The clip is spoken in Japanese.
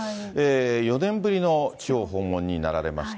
４年ぶりの地方訪問になられました。